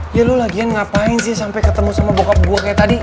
ya lu lagian ngapain sih sampai ketemu sama bokap gue kayak tadi